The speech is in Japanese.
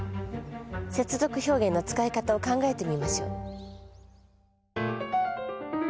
接続表現の使い方を考えてみましょう。